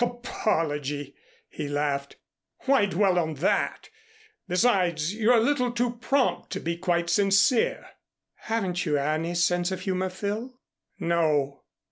"Apology!" he laughed. "Why dwell on that? Besides you're a little too prompt to be quite sincere." "Haven't you any sense of humor, Phil?" "No."